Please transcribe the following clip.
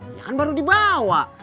yang baru dibawa